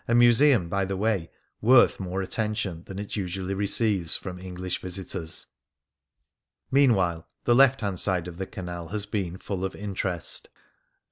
museum, by the way, worth more attention than it usually receives from English visitors. Meanwhile the left hand side of the Canal has been full of interest.